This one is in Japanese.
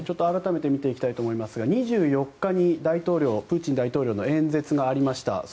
改めて見ていきたいと思いますが２４日にプーチン大統領の演説がありました。